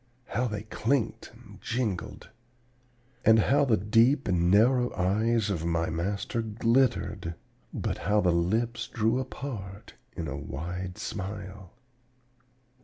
How they clinked and jingled! And how the deep and narrow eyes of my master glittered, but how the lips drew apart in a wild smile!